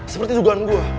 seperti dugaan gue